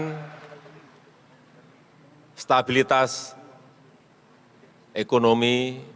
dengan stabilitas ekonomi